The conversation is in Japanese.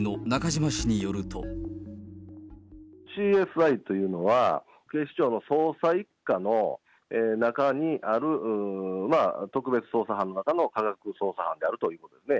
ＣＳＩというのは、警視庁の捜査１課の中にある特別捜査班の中の科学捜査班であるということですね。